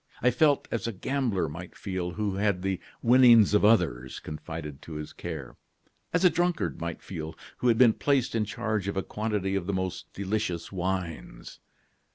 I felt as a gambler might feel who had the winnings of others confided to his care; as a drunkard might feel who had been placed in charge of a quantity of the most delicious wines.